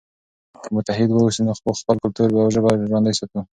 که موږ متحد واوسو نو خپل کلتور او ژبه ژوندی ساتو.